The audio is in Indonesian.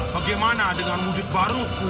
bagaimana dengan wujud baru ku